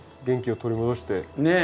元気を取り戻して。